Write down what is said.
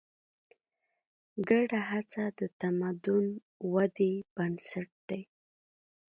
ګډه هڅه د تمدن ودې بنسټ دی.